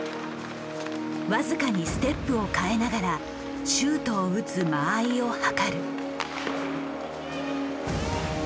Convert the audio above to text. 僅かにステップを変えながらシュートを打つ間合いをはかる。